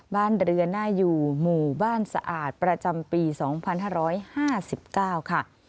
บ้านเรือน่าอยู่หมู่บ้านสะอาดประจำปี๒๕๕๙ค่ะ